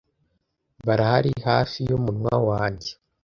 barahari hafi yumunwa wanjye